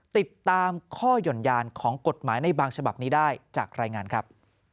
ติดตามข้อหย่อนยานของกฎหมายในบางฉบับนี้ได้จากรายงานครับ